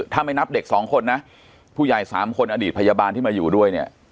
ถ้าไม่นับเด็กสองคนนะผู้ใหญ่๓คนอดีตพยาบาลที่มาอยู่ด้วยเนี่ย